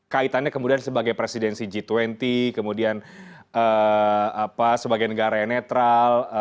kaitannya kemudian sebagai presidensi g dua puluh kemudian sebagai negara yang netral